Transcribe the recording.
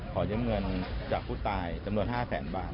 ขอยืมเงินจากผู้ตายำนวรรดิห้าแสนบาท